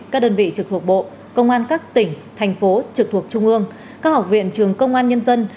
các đơn vị trực thuộc bộ công an các tỉnh thành phố trực thuộc trung ương các học viện trường công an nhân dân